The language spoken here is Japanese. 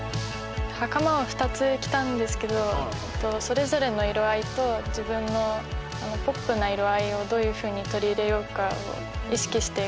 袴を２つ着たんですけどそれぞれの色合いと自分のポップな色合いをどういうふうに取り入れようかを意識して描きました。